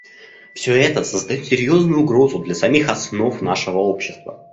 Все это создает серьезную угрозу для самих основ нашего общества.